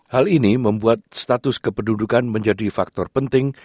hal ini membuat status kependudukan menjadi faktor penting